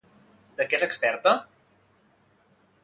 De què és experta?